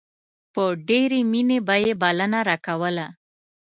په ډېرې مينې به يې بلنه راکوله.